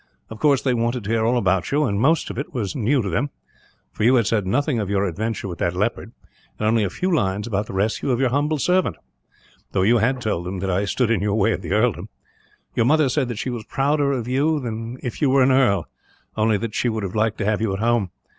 Of course they wanted to hear all about you, and most of it was new to them; for you had said nothing of your adventure with that leopard, and only a few lines about the rescue of your humble servant; though you had told them that I stood in your way of the earldom. Your mother said that she was prouder of you than if you were an earl, only that she would have liked to have you at home.